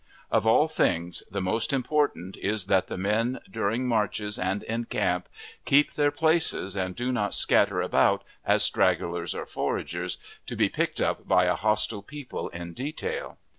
Of all things, the most important is, that the men, during marches and in camp, keep their places and do not scatter about as stragglers or foragers, to be picked up by a hostile people in detail.